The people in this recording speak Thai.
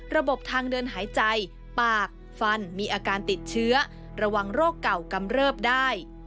ระบบทางเดินหายใจปากฟันมีอาการติดเชื้อระวังโรคเก่ากำเริบได้